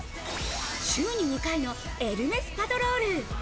週に２回のエルメスパトロール。